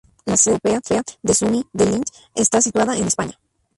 La sede europea de Sunny Delight está situada en España.